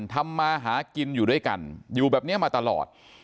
ทำมาหากินอยู่ด้วยกันอยู่แบบนี้มาตลอด